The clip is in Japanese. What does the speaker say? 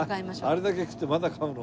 あれだけ食ってまだ買うの？